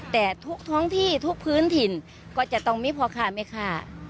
แต่ทุกท้องที่ทุกพื้นถิ่นก็จะต้องมีพ่อค้าแม่ค้า